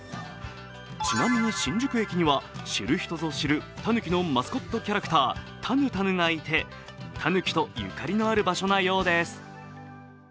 ちなみに新宿駅には知る人ぞ知るたぬきのマスコットキャラクターたぬたぬがいてたぬきとゆかりがある場所なようです。